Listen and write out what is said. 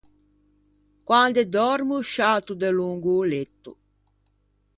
Quande dòrmo sciato delongo o letto.